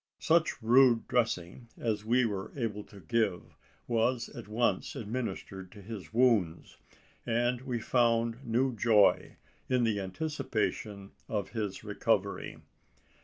Such rude dressing, as we were able to give, was at once administered to his wounds; and we found new joy in the anticipation of his recovery.